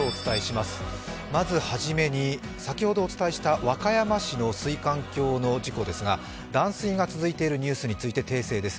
まず初めに先ほどお伝えした和歌山市の水管橋の事故ですが断水が続いているニュースについて訂正です。